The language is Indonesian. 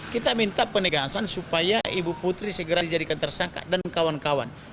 kita minta penegasan supaya ibu putri segera dijadikan tersangka dan kawan kawan